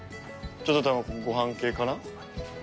ちょっとごはん系かな？